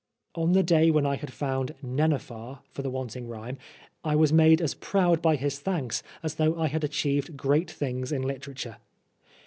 On the day when I had found * nenuphar ' for the wanting rhyme, I was made as proud by his thanks as though I had achieved great things in literature.